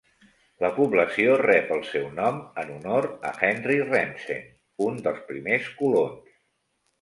La població rep el seu nom en honor a Henry Remsen, un dels primers colons.